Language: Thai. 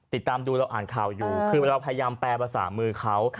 ติดตามดูเราอ่านข่าวอยู่คือเราพยายามแปลภาษามือเขา